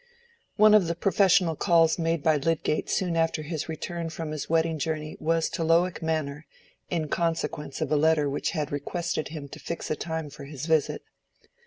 One of the professional calls made by Lydgate soon after his return from his wedding journey was to Lowick Manor, in consequence of a letter which had requested him to fix a time for his visit.